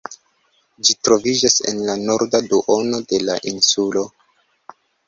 Ĝi troviĝas en la norda duono de la insulo.